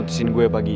ntar lo juga tau